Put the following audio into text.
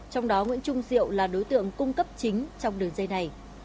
trong đó nguyễn trung diệu là đối tượng cung cấp chính trong đường dây này